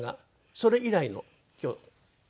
それ以来の今日一緒に。